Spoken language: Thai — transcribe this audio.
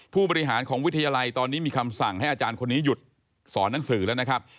ผู้บริหารของวิทยาลัยตอนนี้มีคำสั่งให้อาจารย์คนนี้หยุดสอนหนังสือแล้วนะครับ